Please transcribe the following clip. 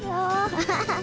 アハハ。